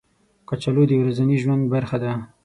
کچالو د ورځني ژوند برخه ده